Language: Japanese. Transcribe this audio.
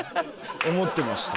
思ってました。